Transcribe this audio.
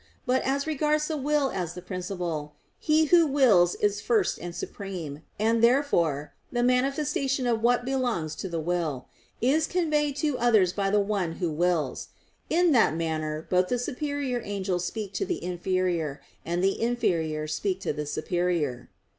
But as regards the will as the principle, he who wills is first and supreme; and therefore the manifestation of what belongs to the will, is conveyed to others by the one who wills. In that manner both the superior angels speak to the inferior, and the inferior speak to the superior.